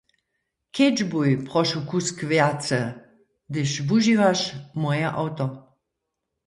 Kedźbuj prošu kusk wjace, hdyž wužiwaš moje awto.